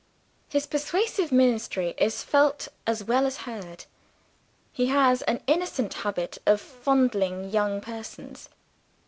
His persuasive ministry is felt as well as heard: he has an innocent habit of fondling young persons.